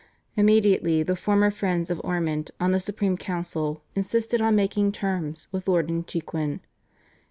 Immediately the former friends of Ormond on the Supreme Council insisted on making terms with Lord Inchiquin.